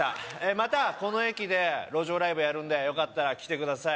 またこの駅で路上ライブやるんでよかったら来てください